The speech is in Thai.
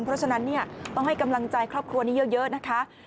เพราะฉะนั้นต้องให้กำลังใจครอบครัวนี้เยอะนะคะ